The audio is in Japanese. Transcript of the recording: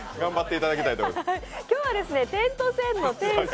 今日は点と線．の店主